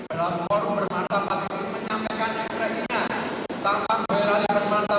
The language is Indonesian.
berlaku orang bermantap akan menyampaikan ekspresinya